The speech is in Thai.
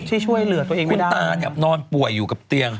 ที่ช่วยเหลือตัวเองไม่ได้คุณตานอนป่วยอยู่กับเตียง